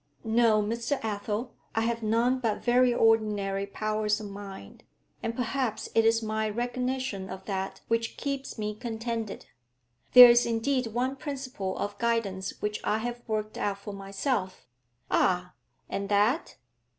'No, Mr. Athel, I have none but very ordinary powers of mind, and perhaps it is my recognition of that which keeps me contented. There is indeed one principle of guidance which I have worked out for myself ' 'Ah! And that?'